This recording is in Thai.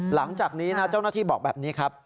หลังจากนี้นะเจ้าหน้าที่บอกแบบนี้ครับ